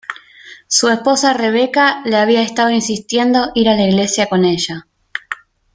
Su esposa Rebeca le había estado insistiendo ir a la iglesia con ella.